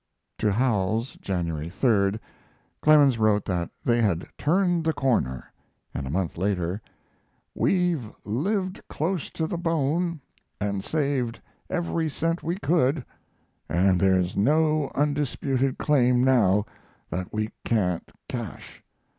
To Howells, January 3d, Clemens wrote that they had "turned the corner," and a month later: We've lived close to the bone and saved every cent we could, & there's no undisputed claim now that we can't cash.